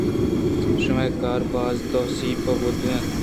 شمئے کار ءِ باز توسیپ بوتگ اَت